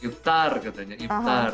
iftar katanya iftar